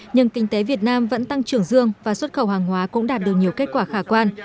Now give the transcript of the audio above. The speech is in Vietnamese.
nhưng kinh tế việt nam vẫn tăng trưởng dương và xuất khẩu hàng hóa cũng đạt được nhiều kết quả khả quan